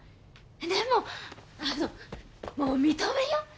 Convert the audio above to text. でもあのもう認めよう。